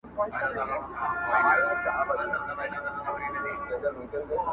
غلیمان به یې تباه او نیمه خوا سي؛